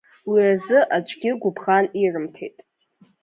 Уиазы аӡәгьы гәыбӷан ирымҭеит.